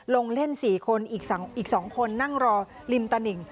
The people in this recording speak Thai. ลงเล่น๔คนอีก๒คนนั่งรอริมตนิ่ง